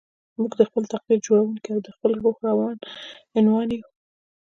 موږ د خپل تقدير جوړوونکي او د خپل روح عنوان يو.